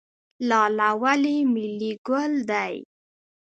لاله ولې ملي ګل دی؟